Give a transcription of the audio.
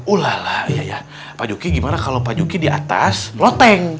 ulalah iya iya pak juki gimana kalau pak juki di atas meloteng